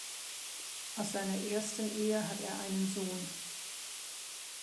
Aus seiner ersten Ehe hat er einen Sohn.